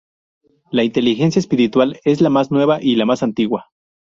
La inteligencia espiritual es la más nueva y la más antigua.